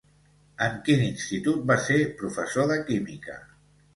En quin institut va ser professor de química?